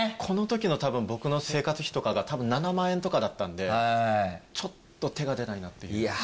この時の多分僕の生活費とかが多分７万円とかだったんでちょっと手が出ないなっていう。